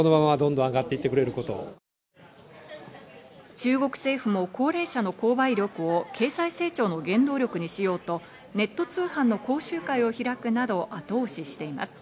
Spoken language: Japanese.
中国政府も高齢者の購買力を経済成長の原動力にしようとネット通販の講習会を開くなど後押ししています。